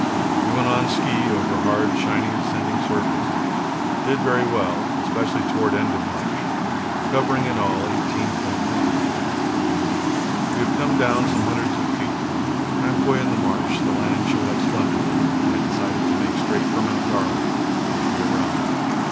We went on ski over hard shiny descending surface. Did very well, especially towards end of march, covering in all 18.1. We have come down some hundreds of feet. Half way in the march the land showed up splendidly, and I decided to make straight for Mt. Darwin, which we are rounding.